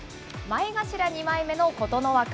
前頭２枚目の琴ノ若。